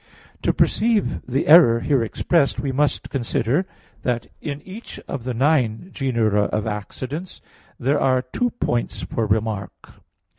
To perceive the error here expressed, we must consider that in each of the nine genera of accidents there are two points for remark.